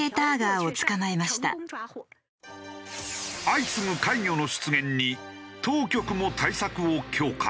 相次ぐ怪魚の出現に当局も対策を強化。